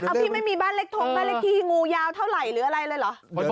พี่ไม่มีบ้านเล็กทงบ้านเลขที่งูยาวเท่าไหร่หรืออะไรเลยเหรอ